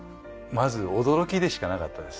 まず驚きでしかなかったです。